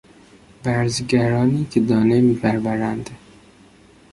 برزگرانی که دانه میپرورند...